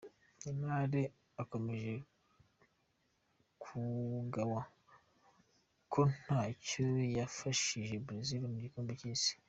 Neymar ukomeje kugawa ko ntacyo yafashije Brazil mugikombe cy’isi.